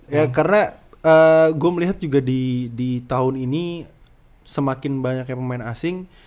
ya karena gue melihat juga di tahun ini semakin banyaknya pemain asing